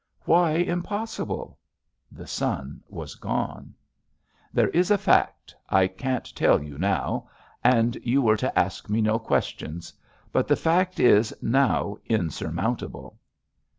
"Why impossible?" The sun was gone. "There is a fact — I can't tell you now. And you were to ask me no questions. But the fact is, now, insurmountable."